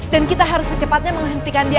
dan kita harus secepatnya menghentikan dia